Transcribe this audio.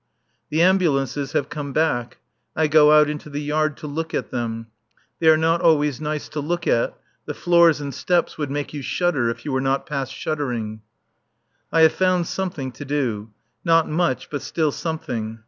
The ambulances have come back. I go out into the yard to look at them. They are not always nice to look at; the floors and steps would make you shudder if you were not past shuddering. I have found something to do. Not much, but still something.